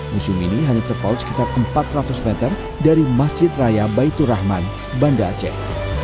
museum ini hanya terpaut sekitar empat ratus meter dari masjid raya baitur rahman banda aceh